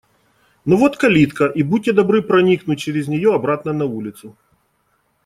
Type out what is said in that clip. Но вот калитка. И будьте добры проникнуть через нее обратно на улицу.